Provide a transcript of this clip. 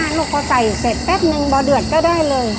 นานหลุมเขาใส่เสร็จแป๊บนึงเตรียไม่เดือดก็ได้เลย